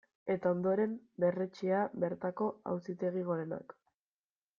Eta ondoren berretsia bertako Auzitegi Gorenak.